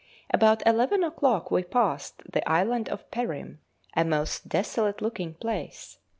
About eleven o'clock we passed the island of Perim, a most desolate looking place.